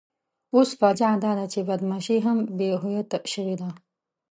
اوس فاجعه داده چې بدماشي هم بې هویته شوې ده.